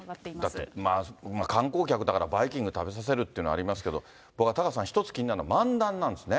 だって、観光客だからバイキング食べさせるというのはありますけど、これはタカさん、一つ気になるのは、漫談なんですね。